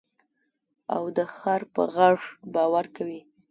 او د خر په غږ باور کوې.